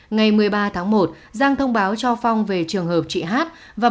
ngày một mươi ba tháng một giang thông báo cho phong về trường hợp chị hát